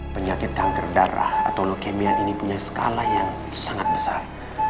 penyakit kanker darah atau leukemia ini punya skala yang sangat besar